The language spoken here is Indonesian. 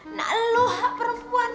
nggak lu hak perempuan